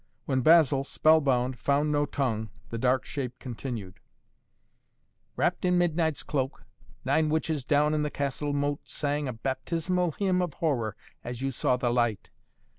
When Basil, spell bound, found no tongue, the dark shape continued: "Wrapped in midnight's cloak, nine witches down in the castle moat sang a baptismal hymn of horror as you saw the light.